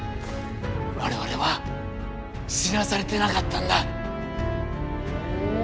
我々は知らされていなかったんだ。